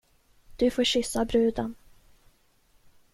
Du får kyssa bruden.